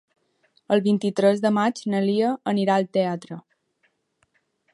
El vint-i-tres de maig na Lia anirà al teatre.